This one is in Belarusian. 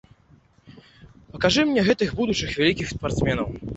Пакажы мне гэтых будучых вялікіх спартсменаў.